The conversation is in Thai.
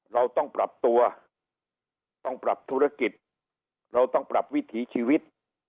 เราต้องปรับตัวต้องปรับธุรกิจเราต้องปรับวิถีชีวิต